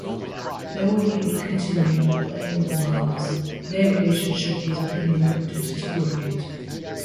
Though he would continue playing with Miles, their relationship was beginning to deteriorate.